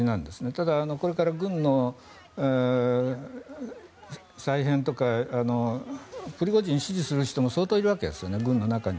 ただ、これから軍の再編とかプリゴジンを支持する人も相当いるわけですよね軍の中に。